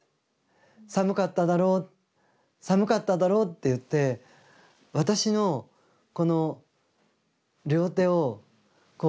寒かっただろう寒かっただろう」って言って私のこの両手を。